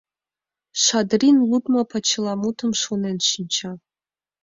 Шадрин лудмо почеламутым шонен шинча.